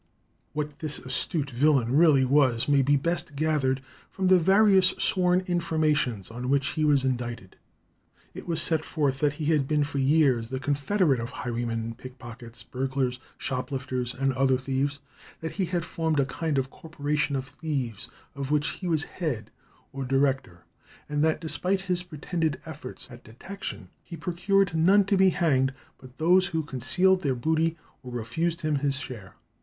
What this astute villain really was may be best gathered from the various sworn informations on which he was indicted. It was set forth that he had been for years the confederate of highwaymen, pickpockets, burglars, shoplifters, and other thieves; that he had formed a kind of corporation of thieves of which he was head, or director, and that, despite his pretended efforts at detection, he procured none to be hanged but those who concealed their booty or refused him his share.